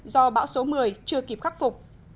do bão số một mươi chưa kịp khắc phục